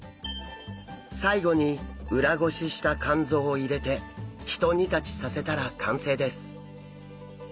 最後に裏ごしした肝臓を入れてひと煮立ちさせたら完成です。